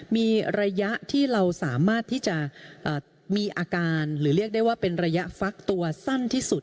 มีระยะที่เราสามารถที่จะมีอาการหรือเรียกได้ว่าเป็นระยะฟักตัวสั้นที่สุด